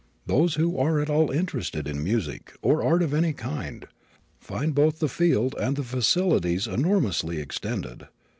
Those who are at all interested in music, or art of any kind, find both the field and the facilities enormously extended.